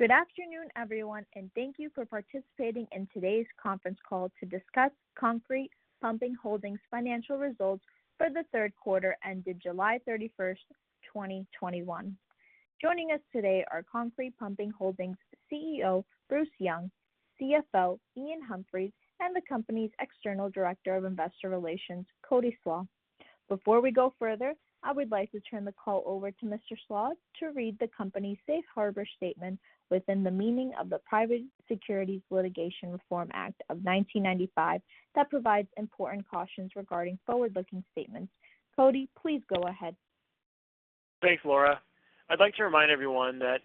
Good afternoon, everyone, and thank you for participating in today's conference call to discuss Concrete Pumping Holdings' financial results for the third quarter ended July 31, 2021. Joining us today are Concrete Pumping Holdings CEO Bruce Young, CFO Iain Humphries, and the company's external Director of Investor Relations Cody Slach. Before we go further, I would like to turn the call over to Mr. Slach to read the company's safe harbor statement within the meaning of the Private Securities Litigation Reform Act of 1995 that provides important cautions regarding forward-looking statements. Cody, please go ahead. Thanks, Laura. I'd like to remind everyone that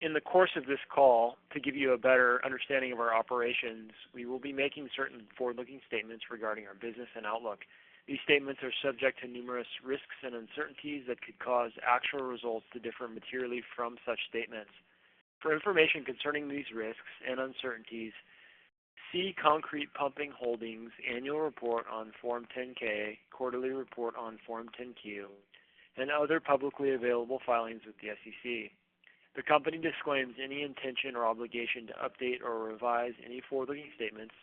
in the course of this call, to give you a better understanding of our operations, we will be making certain forward-looking statements regarding our business and outlook. These statements are subject to numerous risks and uncertainties that could cause actual results to differ materially from such statements. For information concerning these risks and uncertainties, see Concrete Pumping Holdings annual report on Form 10-K, quarterly report on Form 10-Q, and other publicly available filings with the SEC. The company disclaims any intention or obligation to update or revise any forward-looking statements,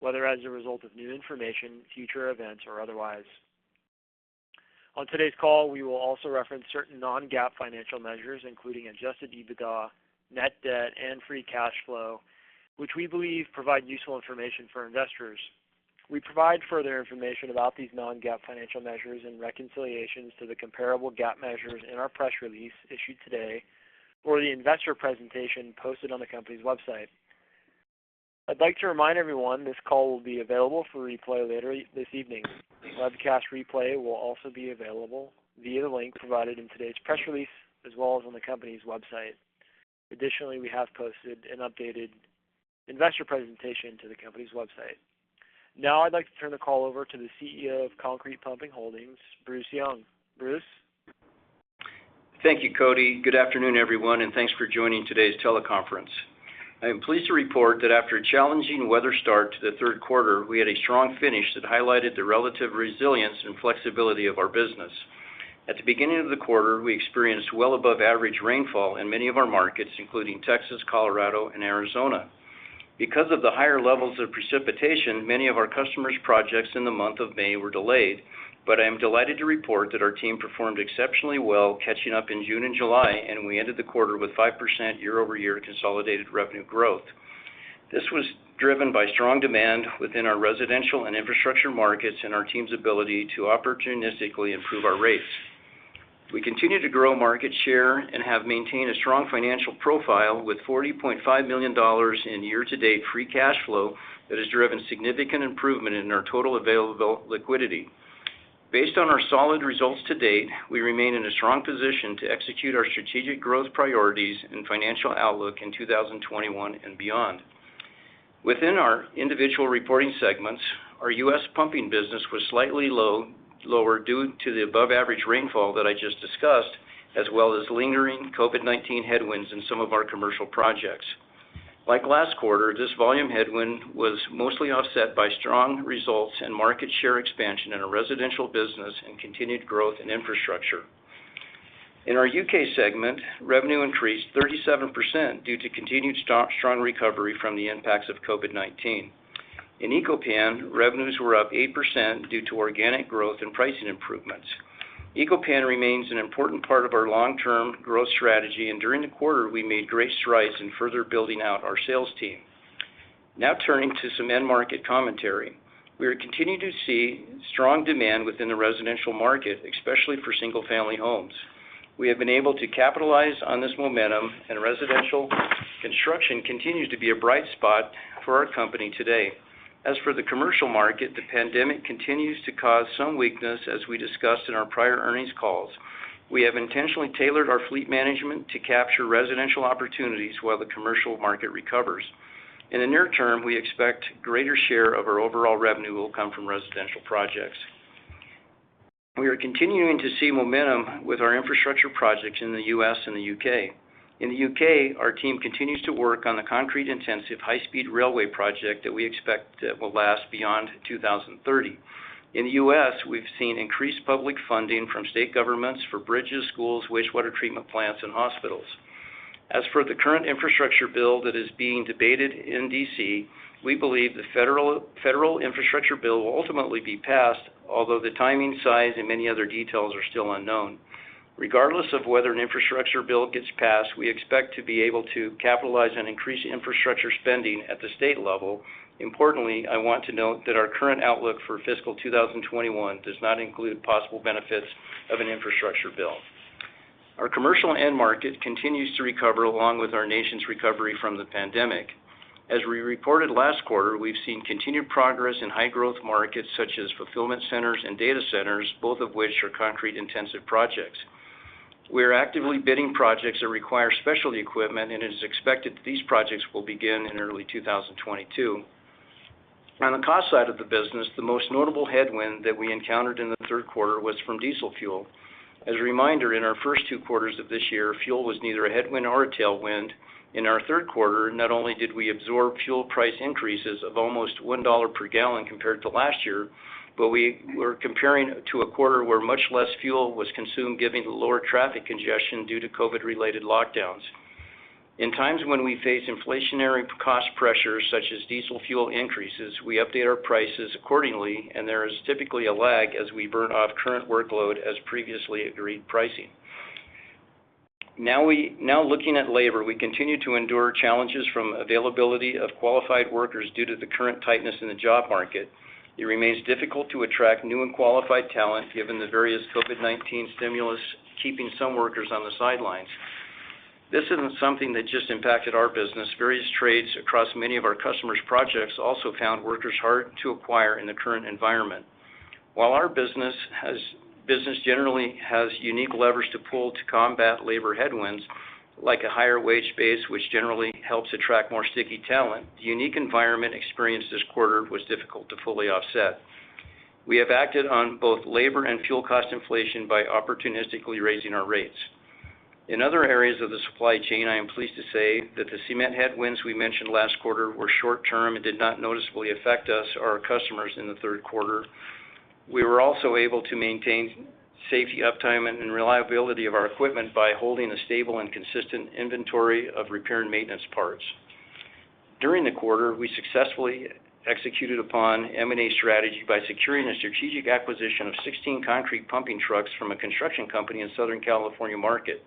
whether as a result of new information, future events, or otherwise. On today's call, we will also reference certain non-GAAP financial measures, including adjusted EBITDA, net debt, and free cash flow, which we believe provide useful information for investors. We provide further information about these non-GAAP financial measures and reconciliations to the comparable GAAP measures in our press release issued today or the investor presentation posted on the company's website. I'd like to remind everyone this call will be available for replay later this evening. Webcast replay will also be available via the link provided in today's press release, as well as on the company's website. Additionally, we have posted an updated investor presentation to the company's website. I'd like to turn the call over to the CEO of Concrete Pumping Holdings, Bruce Young. Bruce? Thank you, Cody. Good afternoon, everyone, and thanks for joining today's teleconference. I am pleased to report that after a challenging weather start to the third quarter, we had a strong finish that highlighted the relative resilience and flexibility of our business. At the beginning of the quarter, we experienced well above average rainfall in many of our markets, including Texas, Colorado, and Arizona. Because of the higher levels of precipitation, many of our customers' projects in the month of May were delayed, but I am delighted to report that our team performed exceptionally well catching up in June and July, and we ended the quarter with 5% year-over-year consolidated revenue growth. This was driven by strong demand within our residential and infrastructure markets and our team's ability to opportunistically improve our rates. We continue to grow market share and have maintained a strong financial profile with $40.5 million in year-to-date free cash flow that has driven significant improvement in our total available liquidity. Based on our solid results to date, we remain in a strong position to execute our strategic growth priorities and financial outlook in 2021 and beyond. Within our individual reporting segments, our U.S. pumping business was slightly lower due to the above-average rainfall that I just discussed, as well as lingering COVID-19 headwinds in some of our commercial projects. Like last quarter, this volume headwind was mostly offset by strong results and market share expansion in our residential business and continued growth in infrastructure. In our U.K. segment, revenue increased 37% due to continued strong recovery from the impacts of COVID-19. In Eco-Pan, revenues were up 8% due to organic growth and pricing improvements. Eco-Pan remains an important part of our long-term growth strategy, and during the quarter, we made great strides in further building out our sales team. Now turning to some end market commentary. We are continuing to see strong demand within the residential market, especially for single-family homes. We have been able to capitalize on this momentum, and residential construction continues to be a bright spot for our company today. As for the commercial market, the pandemic continues to cause some weakness, as we discussed in our prior earnings calls. We have intentionally tailored our fleet management to capture residential opportunities while the commercial market recovers. In the near term, we expect a greater share of our overall revenue will come from residential projects. We are continuing to see momentum with our infrastructure projects in the U.S. and the U.K. In the U.K., our team continues to work on the concrete-intensive high-speed railway project that we expect will last beyond 2030. In the U.S., we've seen increased public funding from state governments for bridges, schools, wastewater treatment plants, and hospitals. As for the current infrastructure bill that is being debated in D.C., we believe the federal infrastructure bill will ultimately be passed, although the timing, size, and many other details are still unknown. Regardless of whether an infrastructure bill gets passed, we expect to be able to capitalize on increased infrastructure spending at the state level. Importantly, I want to note that our current outlook for fiscal 2021 does not include possible benefits of an infrastructure bill. Our commercial end market continues to recover along with our nation's recovery from the pandemic. As we reported last quarter, we've seen continued progress in high-growth markets such as fulfillment centers and data centers, both of which are concrete-intensive projects. We are actively bidding projects that require specialty equipment, and it is expected that these projects will begin in early 2022. On the cost side of the business, the most notable headwind that we encountered in the third quarter was from diesel fuel. As a reminder, in our first two quarters of this year, fuel was neither a headwind or a tailwind. In our third quarter, not only did we absorb fuel price increases of almost $1 per gallon compared to last year, but we were comparing to a quarter where much less fuel was consumed, given the lower traffic congestion due to COVID-19-related lockdowns. In times when we face inflationary cost pressures such as diesel fuel increases, we update our prices accordingly, and there is typically a lag as we burn off current workload as previously agreed pricing. Now, looking at labor, we continue to endure challenges from availability of qualified workers due to the current tightness in the job market. It remains difficult to attract new and qualified talent given the various COVID-19 stimulus keeping some workers on the sidelines. This isn't something that just impacted our business. Various trades across many of our customers' projects also found workers hard to acquire in the current environment. While our business generally has unique levers to pull to combat labor headwinds, like a higher wage base, which generally helps attract more sticky talent, the unique environment experienced this quarter was difficult to fully offset. We have acted on both labor and fuel cost inflation by opportunistically raising our rates. In other areas of the supply chain, I am pleased to say that the cement headwinds we mentioned last quarter were short-term and did not noticeably affect us or our customers in the third quarter. We were also able to maintain safety uptime and reliability of our equipment by holding a stable and consistent inventory of repair and maintenance parts. During the quarter, we successfully executed upon M&A strategy by securing a strategic acquisition of 16 concrete pumping trucks from a construction company in Southern California market.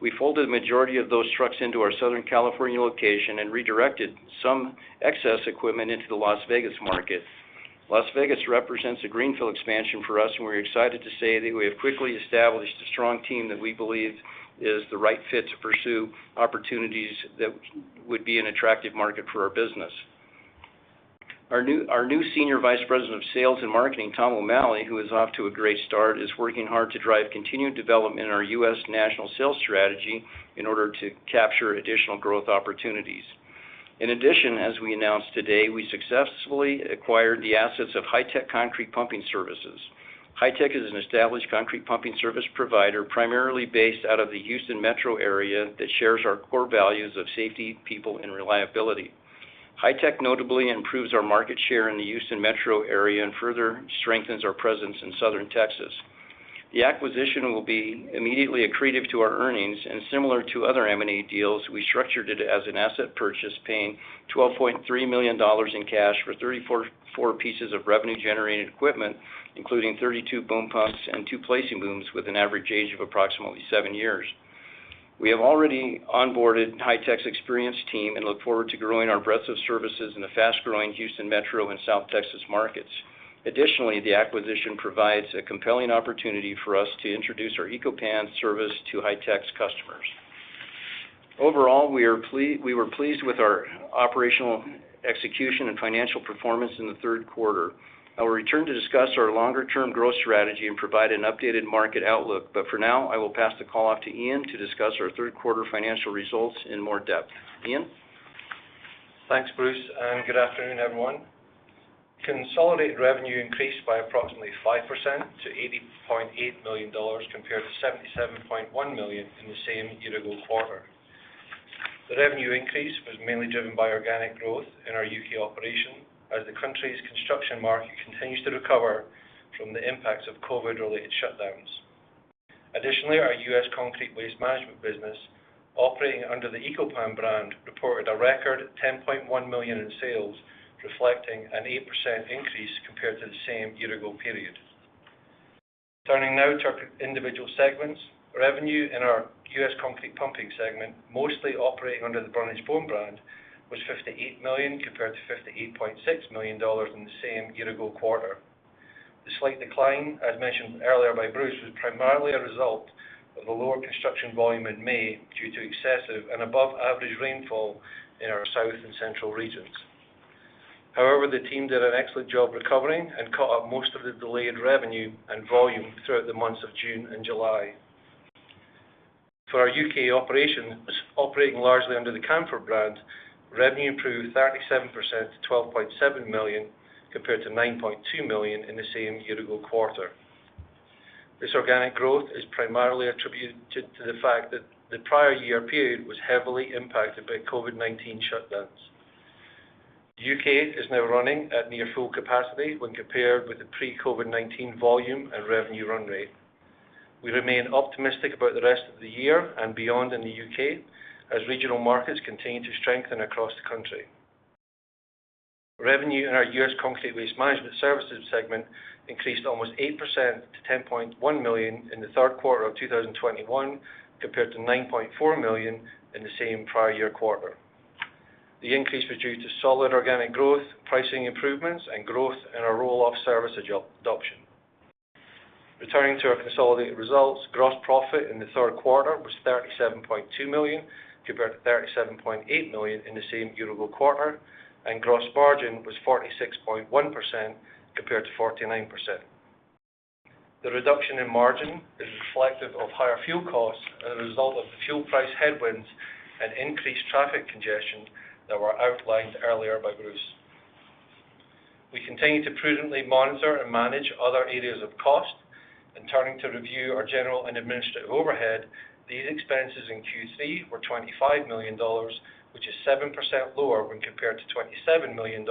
We folded the majority of those trucks into our Southern California location and redirected some excess equipment into the Las Vegas market. Las Vegas represents a greenfield expansion for us, and we're excited to say that we have quickly established a strong team that we believe is the right fit to pursue opportunities that would be an attractive market for our business. Our new Senior Vice President of Sales and Marketing, Tom O'Malley, who is off to a great start, is working hard to drive continued development in our U.S. national sales strategy in order to capture additional growth opportunities. In addition, as we announced today, we successfully acquired the assets of Hi-Tech Concrete Pumping Services. Hi-Tech is an established concrete pumping service provider, primarily based out of the Houston Metro area, that shares our core values of safety, people, and reliability. Hi-Tech notably improves our market share in the Houston Metro area and further strengthens our presence in Southern Texas. The acquisition will be immediately accretive to our earnings, and similar to other M&A deals, we structured it as an asset purchase, paying $12.3 million in cash for 34 pieces of revenue-generating equipment, including 32 boom pumps and two placing booms with an average age of approximately seven years. We have already onboarded Hi-Tech's experienced team and look forward to growing our breadth of services in the fast-growing Houston Metro and South Texas markets. Additionally, the acquisition provides a compelling opportunity for us to introduce our Eco-Pan service to Hi-Tech's customers. Overall, we were pleased with our operational execution and financial performance in the third quarter. I will return to discuss our longer-term growth strategy and provide an updated market outlook. For now, I will pass the call off to Iain to discuss our third quarter financial results in more depth. Iain? Thanks, Bruce, and good afternoon, everyone. Consolidated revenue increased by approximately 5% to $80.8 million, compared to $77.1 million in the same year-ago quarter. The revenue increase was mainly driven by organic growth in our U.K. operation as the country's construction market continues to recover from the impacts of COVID-19-related shutdowns. Additionally, our U.S. Concrete Waste Management business, operating under the Eco-Pan brand, reported a record $10.1 million in sales, reflecting an 8% increase compared to the same year-ago period. Turning now to our individual segments. Revenue in our U.S. Concrete Pumping segment, mostly operating under the Brundage-Bone brand, was $58 million compared to $58.6 million in the same year-ago quarter. The slight decline, as mentioned earlier by Bruce, was primarily a result of the lower construction volume in May due to excessive and above-average rainfall in our south and central regions. However, the team did an excellent job recovering and caught up most of the delayed revenue and volume throughout the months of June and July. For our U.K. operations, operating largely under the Camfaud brand, revenue improved 37% to $12.7 million, compared to $9.2 million in the same year-ago quarter. This organic growth is primarily attributed to the fact that the prior year period was heavily impacted by COVID-19 shutdowns. The U.K. is now running at near full capacity when compared with the pre-COVID-19 volume and revenue run rate. We remain optimistic about the rest of the year and beyond in the U.K. as regional markets continue to strengthen across the country. Revenue in our U.S. Concrete Waste Management Services segment increased almost 8% to $10.1 million in the third quarter of 2021, compared to $9.4 million in the same prior year quarter. The increase was due to solid organic growth, pricing improvements, and growth in our roll-off service adoption. Returning to our consolidated results, gross profit in the third quarter was $37.2 million, compared to $37.8 million in the same year-ago quarter, and gross margin was 46.1% compared to 49%. The reduction in margin is reflective of higher fuel costs as a result of the fuel price headwinds and increased traffic congestion that were outlined earlier by Bruce. We continue to prudently monitor and manage other areas of cost. In turning to review our general and administrative overhead, these expenses in Q3 were $25 million, which is 7% lower when compared to $27 million in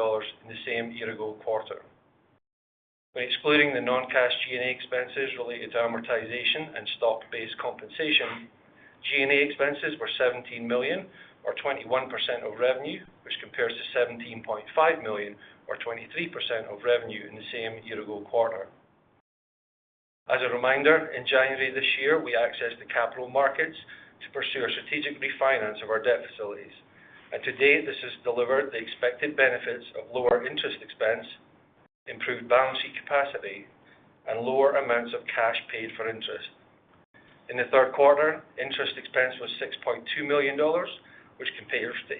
the same year-ago quarter. When excluding the non-cash G&A expenses related to amortization and stock-based compensation, G&A expenses were $17 million or 21% of revenue, which compares to $17.5 million or 23% of revenue in the same year-ago quarter. As a reminder, in January this year, we accessed the capital markets to pursue a strategic refinance of our debt facilities. To date, this has delivered the expected benefits of lower interest expense, improved balance sheet capacity, and lower amounts of cash paid for interest. In the third quarter, interest expense was $6.2 million, which compares to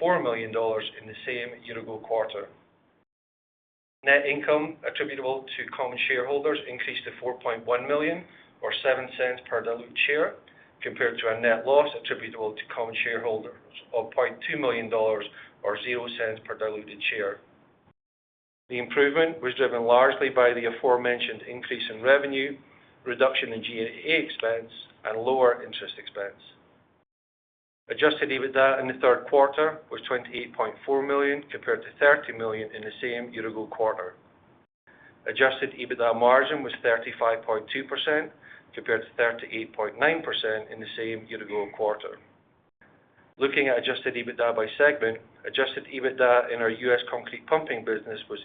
$8.4 million in the same year-ago quarter. Net income attributable to common shareholders increased to $4.1 million or $0.07 per diluted share compared to a net loss attributable to common shareholders of $0.2 million or zero cent per diluted share. The improvement was driven largely by the aforementioned increase in revenue, reduction in G&A expense, and lower interest expense. Adjusted EBITDA in the third quarter was $28.4 million compared to $30 million in the same year-ago quarter. Adjusted EBITDA margin was 35.2% compared to 38.9% in the same year-ago quarter. Looking at adjusted EBITDA by segment, adjusted EBITDA in our U.S. concrete pumping business was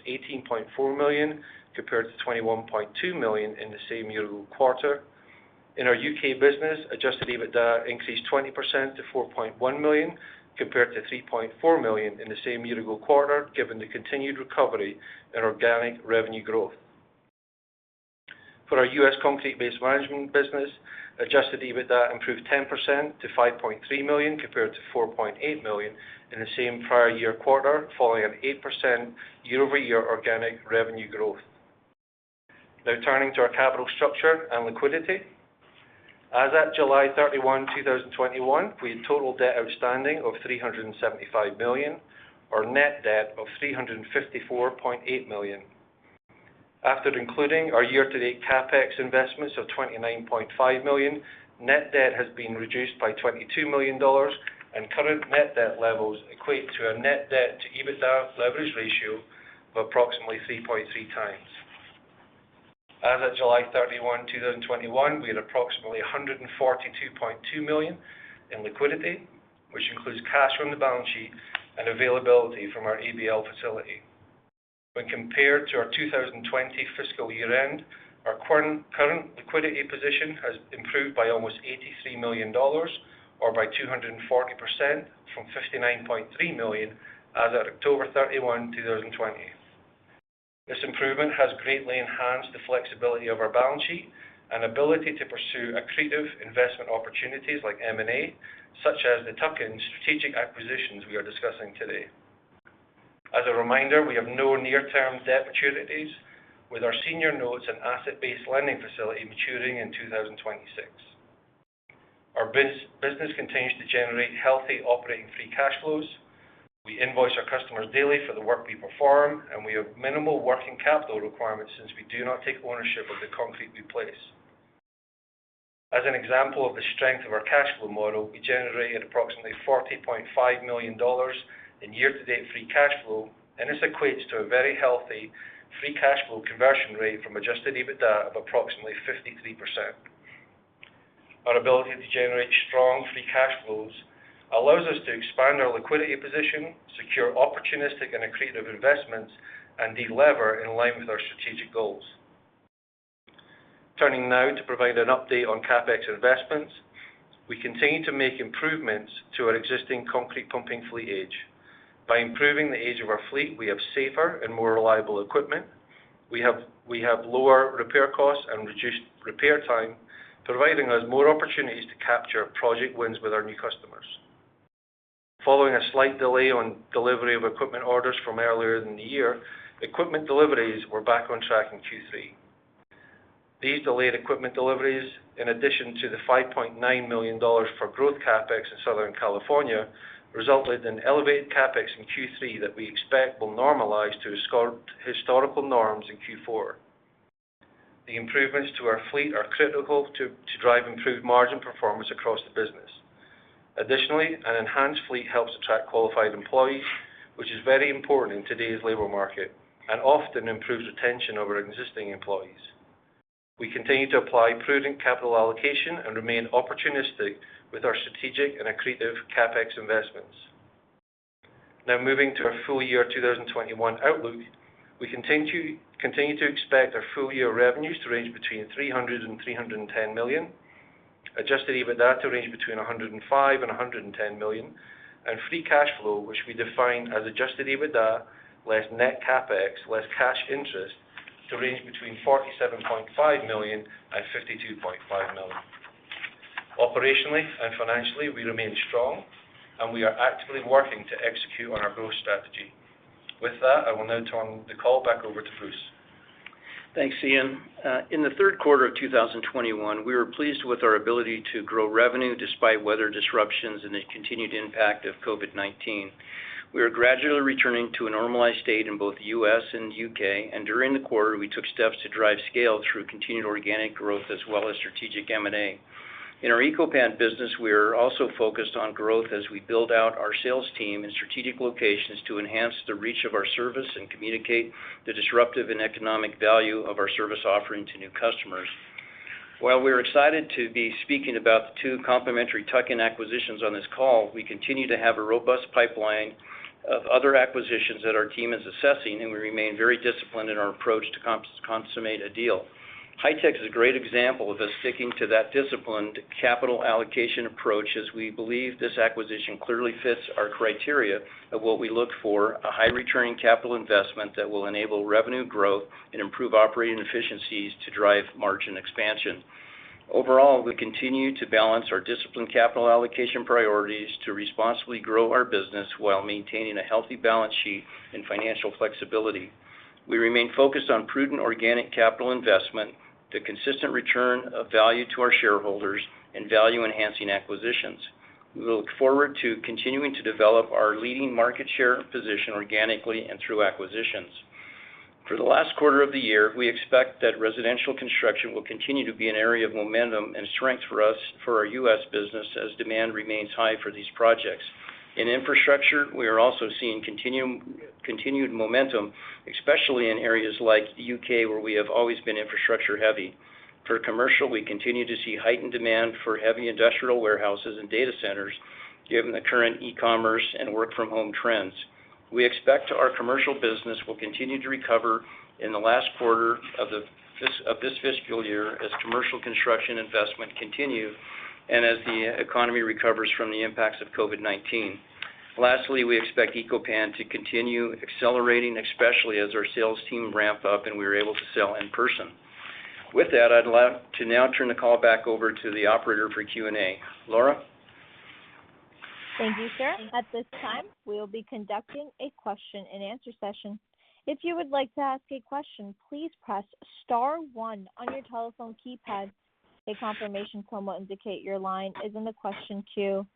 $18.4 million compared to $21.2 million in the same year-ago quarter. In our U.K. business, adjusted EBITDA increased 20% to $4.1 million compared to $3.4 million in the same year-ago quarter, given the continued recovery in organic revenue growth. For our U.S. Concrete waste management business, adjusted EBITDA improved 10% to $5.3 million compared to $4.8 million in the same prior year quarter, following an 8% year-over-year organic revenue growth. Now turning to our capital structure and liquidity. As at July 31, 2021, we had total debt outstanding of $375 million or net debt of $354.8 million. After including our year-to-date CapEx investments of $29.5 million, net debt has been reduced by $22 million and current net debt levels equate to a net debt to EBITDA leverage ratio of approximately 3.3 times. As of July 31, 2021, we had approximately $142.2 million in liquidity, which includes cash from the balance sheet and availability from our ABL facility. When compared to our 2020 fiscal year end, our current liquidity position has improved by almost $83 million or by 240% from $59.3 million as at October 31, 2020. This improvement has greatly enhanced the flexibility of our balance sheet and ability to pursue accretive investment opportunities like M&A, such as the tuck-in strategic acquisitions we are discussing today. As a reminder, we have no near-term debt maturities with our senior notes and asset-based lending facility maturing in 2026. Our business continues to generate healthy operating free cash flows. We invoice our customers daily for the work we perform, and we have minimal working capital requirements since we do not take ownership of the concrete we place. As an example of the strength of our cash flow model, we generated approximately $40.5 million in year-to-date free cash flow, and this equates to a very healthy free cash flow conversion rate from adjusted EBITDA of approximately 53%. Our ability to generate strong free cash flows allows us to expand our liquidity position, secure opportunistic and accretive investments, and delever in line with our strategic goals. Turning now to provide an update on CapEx investments. We continue to make improvements to our existing concrete pumping fleet age. By improving the age of our fleet, we have safer and more reliable equipment. We have lower repair costs and reduced repair time, providing us more opportunities to capture project wins with our new customers. Following a slight delay on delivery of equipment orders from earlier in the year, equipment deliveries were back on track in Q3. These delayed equipment deliveries, in addition to the $5.9 million for growth CapEx in Southern California, resulted in elevated CapEx in Q3 that we expect will normalize to historical norms in Q4. The improvements to our fleet are critical to drive improved margin performance across the business. Additionally, an enhanced fleet helps attract qualified employees, which is very important in today's labor market and often improves retention of our existing employees. We continue to apply prudent capital allocation and remain opportunistic with our strategic and accretive CapEx investments. Now moving to our full year 2021 outlook. We continue to expect our full year revenues to range between $300 and $310 million, adjusted EBITDA to range between $105 and $110 million, and free cash flow, which we define as adjusted EBITDA, less net CapEx, less cash interest to range between $47.5 million and $52.5 million. Operationally and financially, we remain strong and we are actively working to execute on our growth strategy. With that, I will now turn the call back over to Bruce. Thanks, Iain. In the third quarter of 2021, we were pleased with our ability to grow revenue despite weather disruptions and the continued impact of COVID-19. We are gradually returning to a normalized state in both U.S. and U.K., and during the quarter, we took steps to drive scale through continued organic growth as well as strategic M&A. In our Eco-Pan business, we are also focused on growth as we build out our sales team in strategic locations to enhance the reach of our service and communicate the disruptive and economic value of our service offering to new customers. While we're excited to be speaking about the two complimentary tuck-in acquisitions on this call, we continue to have a robust pipeline of other acquisitions that our team is assessing, and we remain very disciplined in our approach to consummate a deal. Hi-Tech is a great example of us sticking to that disciplined capital allocation approach, as we believe this acquisition clearly fits our criteria of what we look for, a high-returning capital investment that will enable revenue growth and improve operating efficiencies to drive margin expansion. Overall, we continue to balance our disciplined capital allocation priorities to responsibly grow our business while maintaining a healthy balance sheet and financial flexibility. We remain focused on prudent organic capital investment to consistent return of value to our shareholders and value-enhancing acquisitions. We look forward to continuing to develop our leading market share position organically and through acquisitions. For the last quarter of the year, we expect that residential construction will continue to be an area of momentum and strength for us, for our U.S. business, as demand remains high for these projects. In infrastructure, we are also seeing continued momentum, especially in areas like the U.K. where we have always been infrastructure heavy. For commercial, we continue to see heightened demand for heavy industrial warehouses and data centers, given the current e-commerce and work-from-home trends. We expect our commercial business will continue to recover in the last quarter of this fiscal year as commercial construction investment continue and as the economy recovers from the impacts of COVID-19. Lastly, we expect Eco-Pan to continue accelerating, especially as our sales team ramp up and we are able to sell in person. With that, I'd like to now turn the call back over to the operator for Q&A. Laura? Thank you, sir. At this time, we will be conducting a question and answer session. If you would like to ask a question, please press star one on your telephone keypad. A confirmation tone will indicate your line is in the question queue.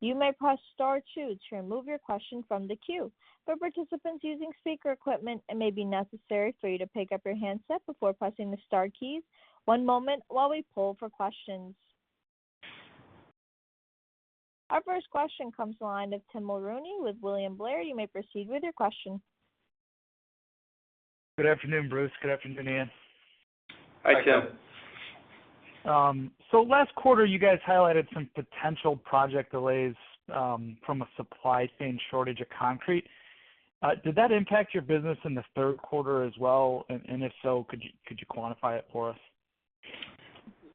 You may press star two to remove your question from the queue. For participants using speaker equipment, it may be necessary for you to pick up your handset before pressing the star keys. One moment while we poll for questions. Our first question comes to the line of Tim Mulrooney with William Blair. You may proceed with your question. Good afternoon, Bruce. Good afternoon, Iain. Hi, Tim. Last quarter you guys highlighted some potential project delays from a supply chain shortage of concrete. Did that impact your business in the third quarter as well? If so, could you quantify it for us?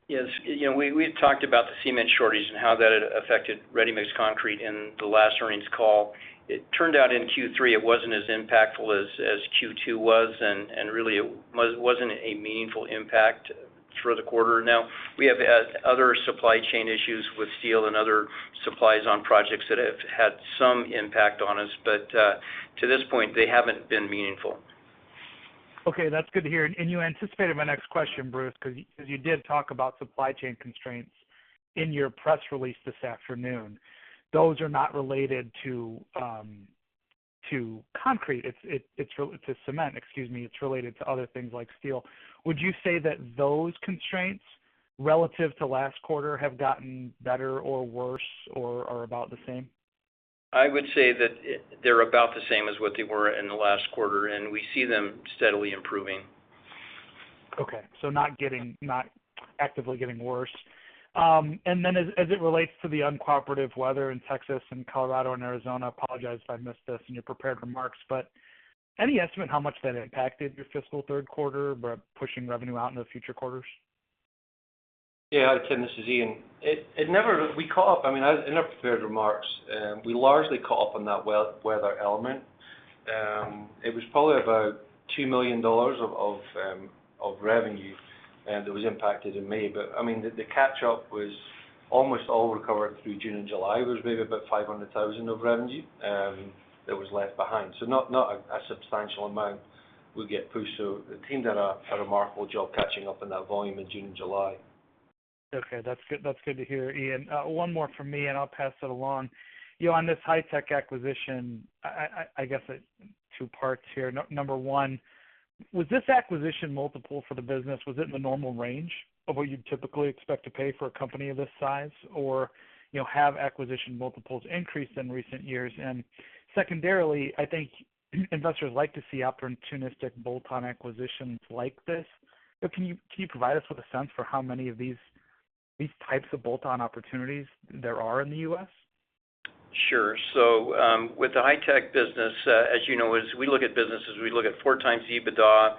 Yes. We had talked about the cement shortage and how that affected ready-mix concrete in the last earnings call. It turned out in Q3 it wasn't as impactful as Q2 was. Really it wasn't a meaningful impact for the quarter. We have had other supply chain issues with steel and other supplies on projects that have had some impact on us. To this point, they haven't been meaningful. Okay. That's good to hear. You anticipated my next question, Bruce, because you did talk about supply chain constraints in your press release this afternoon. Those are not related to cement. It's related to other things like steel. Would you say that those constraints, relative to last quarter, have gotten better or worse, or are about the same? I would say that they're about the same as what they were in the last quarter, and we see them steadily improving. Okay, not actively getting worse. As it relates to the uncooperative weather in Texas and Colorado and Arizona, apologize if I missed this in your prepared remarks, but any estimate how much that impacted your fiscal third quarter by pushing revenue out into future quarters? Hi, Tim. This is Iain. In our prepared remarks, we largely caught up on that weather element. It was probably about $2 million of revenue that was impacted in May. The catch-up was almost all recovered through June and July. It was maybe about $500,000 of revenue that was left behind. Not a substantial amount will get pushed. The team did a remarkable job catching up on that volume in June and July. Okay. That's good to hear, Iain. I'll pass it along. On this Hi-Tech acquisition, I guess two parts here. Number one, was this acquisition multiple for the business, was it in the normal range of what you'd typically expect to pay for a company of this size? Have acquisition multiples increased in recent years? Secondarily, I think investors like to see opportunistic bolt-on acquisitions like this, so can you provide us with a sense for how many of these types of bolt-on opportunities there are in the U.S.? Sure. With the Hi-Tech business, as you know, as we look at businesses, we look at 4 times EBITDA,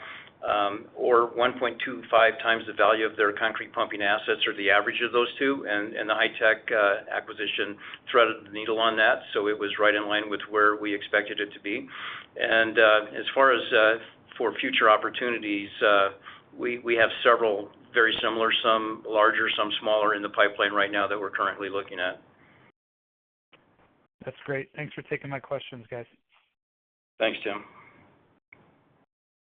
or 1.25 times the value of their concrete pumping assets, or the average of those two. The Hi-Tech acquisition threaded the needle on that, so it was right in line with where we expected it to be. As far as for future opportunities, we have several very similar, some larger, some smaller, in the pipeline right now that we're currently looking at. That's great. Thanks for taking my questions, guys. Thanks, Tim.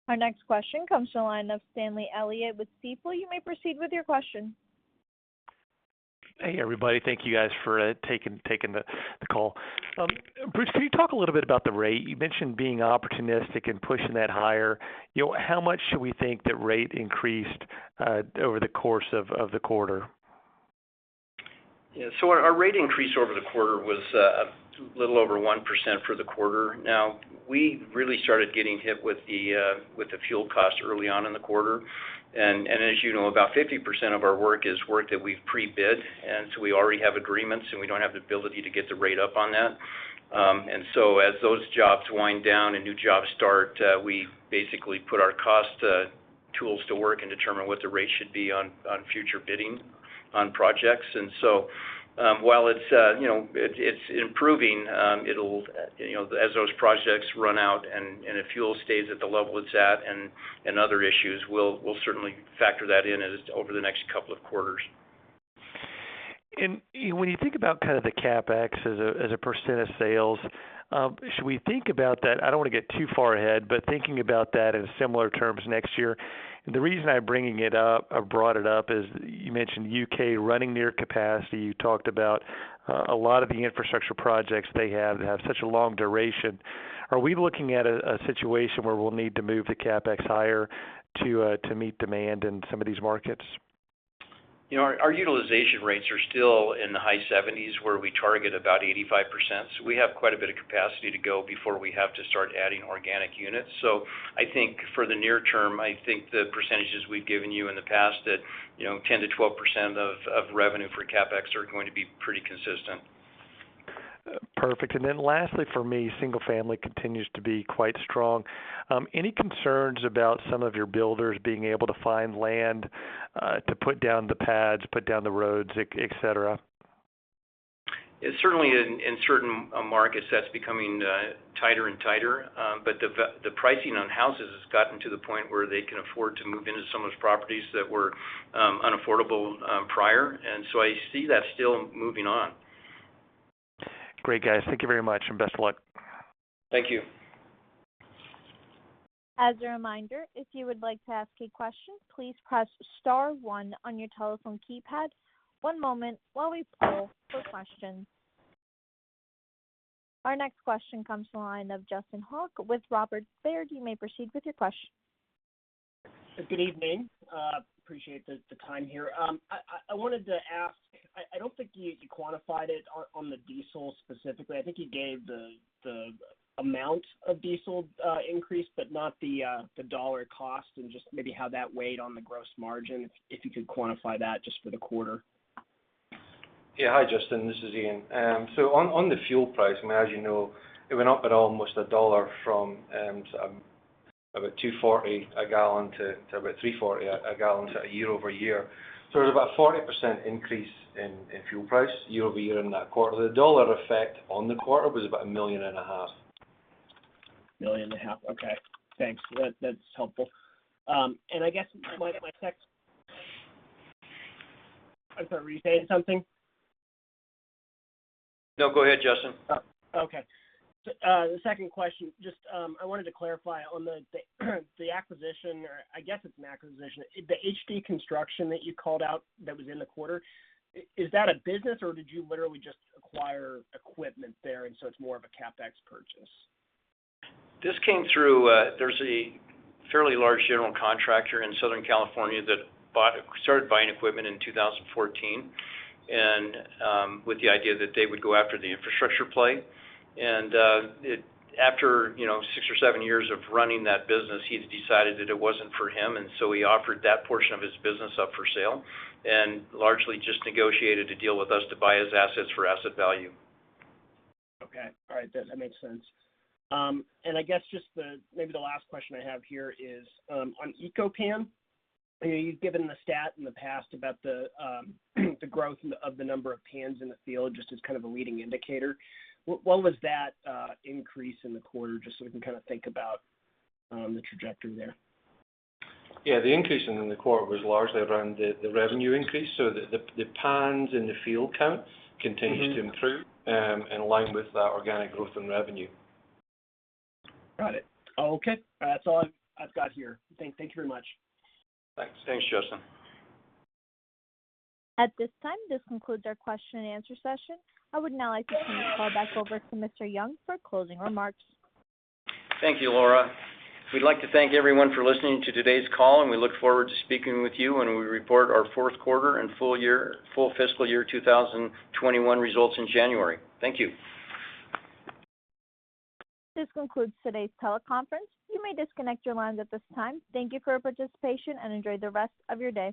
Our next question comes to the line of Stanley Elliott with Stifel. You may proceed with your question. Hey, everybody. Thank you guys for taking the call. Bruce, can you talk a little bit about the rate? You mentioned being opportunistic and pushing that higher. How much should we think that rate increased over the course of the quarter? Our rate increase over the quarter was a little over 1% for the quarter. We really started getting hit with the fuel cost early on in the quarter. As you know, about 50% of our work is work that we've pre-bid, we already have agreements, we don't have the ability to get the rate up on that. As those jobs wind down and new jobs start, we basically put our cost tools to work and determine what the rate should be on future bidding on projects. While it's improving, as those projects run out and if fuel stays at the level it's at and other issues, we'll certainly factor that in over the next couple of quarters. When you think about the CapEx as a % of sales, should we think about that, I don't want to get too far ahead, but thinking about that in similar terms next year. The reason I brought it up is you mentioned U.K. running near capacity. You talked about a lot of the infrastructure projects they have that have such a long duration. Are we looking at a situation where we'll need to move the CapEx higher to meet demand in some of these markets? Our utilization rates are still in the high 70s, where we target about 85%, so we have quite a bit of capacity to go before we have to start adding organic units. I think for the near term, I think the percentages we've given you in the past that 10%-12% of revenue for CapEx are going to be pretty consistent. Perfect. Lastly for me, single family continues to be quite strong. Any concerns about some of your builders being able to find land to put down the pads, put down the roads, et cetera? Certainly, in certain markets, that's becoming tighter and tighter. The pricing on houses has gotten to the point where they can afford to move into some of the properties that were unaffordable prior. I see that still moving on. Great, guys. Thank you very much and best of luck. Thank you. As a reminder, if you would like to ask a question, please press star one on your telephone keypad. One moment while we poll for questions. Our next question comes to the line of Justin Hauke with Robert W. Baird. You may proceed with your question. Good evening. Appreciate the time here. I wanted to ask, I don't think you quantified it on the diesel specifically. I think you gave the amount of diesel increase, but not the dollar cost and just maybe how that weighed on the gross margin, if you could quantify that just for the quarter? Yeah. Hi, Justin, this is Iain. On the fuel price, as you know, it went up at almost $1 from about $2.40 a gallon to about $3.40 a gallon year-over-year. It was about a 40% increase in fuel price year-over-year in that quarter. The dollar effect on the quarter was about a million and a half. Million and a half. Okay, thanks. That's helpful. I guess my next I'm sorry, were you saying something? No, go ahead, Justin. Oh, okay. The second question, just I wanted to clarify on the acquisition, or I guess it's an acquisition. The HD Construction that you called out that was in the quarter, is that a business, or did you literally just acquire equipment there and so it's more of a CapEx purchase? This came through, there's a fairly large general contractor in Southern California that started buying equipment in 2014, and with the idea that they would go after the infrastructure play. After six or seven years of running that business, he's decided that it wasn't for him, and so he offered that portion of his business up for sale. Largely just negotiated a deal with us to buy his assets for asset value. Okay. All right. That makes sense. I guess just maybe the last question I have here is, on Eco-Pan, you've given the stat in the past about the growth of the number of pans in the field, just as kind of a leading indicator. What was that increase in the quarter, just so we can kind of think about the trajectory there? Yeah, the increase in the quarter was largely around the revenue increase. The Eco-Pan in the field count continued to improve in line with that organic growth in revenue. Got it. Okay. That's all I've got here. Thank you very much. Thanks. Thanks, Justin. At this time, this concludes our question and answer session. I would now like to turn the call back over to Mr. Young for closing remarks. Thank you, Laura. We'd like to thank everyone for listening to today's call, and we look forward to speaking with you when we report our fourth quarter and full fiscal year 2021 results in January. Thank you. This concludes today's teleconference. You may disconnect your lines at this time. Thank you for your participation, and enjoy the rest of your day.